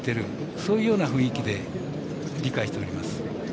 そういうような雰囲気で理解しております。